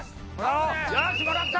よしもらった！